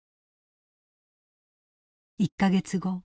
１か月後。